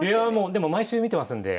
でも毎週見てますんで。